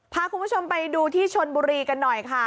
พาคุณผู้ชมไปดูที่ชนบุรีกันหน่อยค่ะ